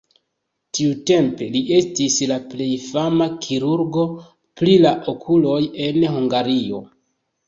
Tiutempe li estis la plej fama kirurgo pri la okuloj en Hungario.